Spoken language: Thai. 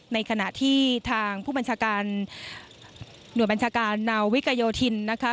ในขณะที่ทางผู้บัญชาการหน่วยบัญชาการนาวิกโยธินนะคะ